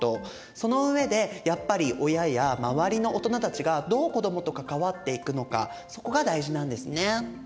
そのうえでやっぱり親や周りの大人たちがどう子どもと関わっていくのかそこが大事なんですね。